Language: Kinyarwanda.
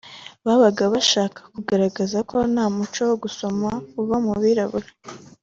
Babaga bashaka kugaragaza ko nta muco wo gusoma uba mu birabura